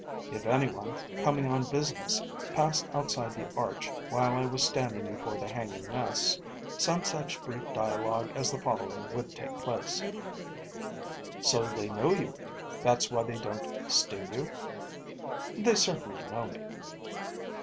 If any one, coming on business, passed outside the arch while I was standing before the hanging nests, some such brief dialogue as the following would take place: 'So they know you; that's why they don't sting you?' 'They certainly know me.'